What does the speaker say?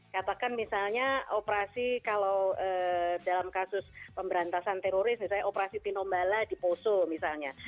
katakan misalnya operasi kalau dalam kasus pemberantasan teroris misalnya operasi tinombala di poso misalnya